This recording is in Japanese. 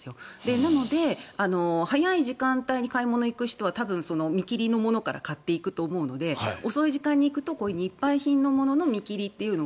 なので、早い時間帯に買い物を行く人は多分、見切りのものから買っていくと思うので遅い時間に行くと日配品のものの見切りというのは